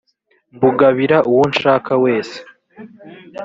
mbugabira uwo nshaka wese